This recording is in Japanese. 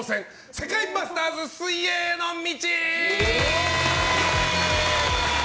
世界マスターズ水泳への道！